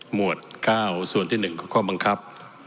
หวด๙ส่วนที่๑คือข้อบังคับ